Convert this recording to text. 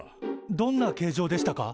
どんな形状でしたか？